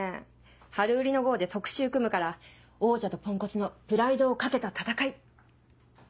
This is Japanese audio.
春売りの号で特集組むから「王者とポンコツのプライドを懸けた戦い」。